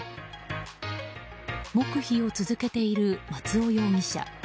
黙秘を続けている松尾容疑者。